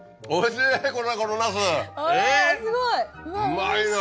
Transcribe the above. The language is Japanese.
うまいな！